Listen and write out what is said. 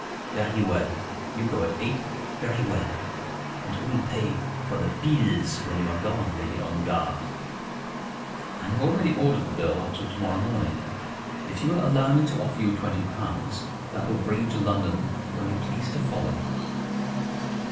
"Very well. You go at eight, very well. And who will pay for the 'beels' when you are gone, Lady Ongar?" "I have already ordered the bill up to morrow morning. If you will allow me to offer you twenty pounds, that will bring you to London when you please to follow."